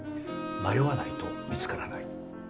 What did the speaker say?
迷わないと見つからない。